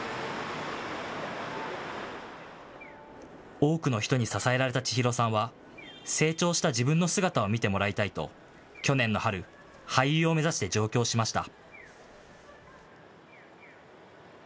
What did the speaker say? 多くの人に支えられた千裕さんは成長した自分の姿を見てもらいたいと去年の春、俳優を目指して上京しました。